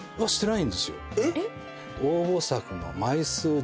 えっ？